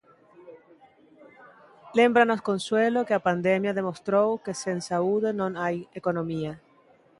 Lémbranos Consuelo que a pandemia demostrou que sen saúde non hai economía.